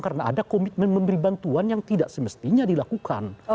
karena ada komitmen memberi bantuan yang tidak semestinya dilakukan